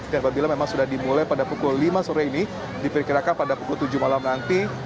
dan bila memang sudah dimulai pada pukul lima sore ini diperkirakan pada pukul tujuh malam nanti